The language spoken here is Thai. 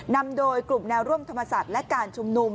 นำโดยกลุ่มแนวร่วมธรรมศาสตร์และการชุมนุม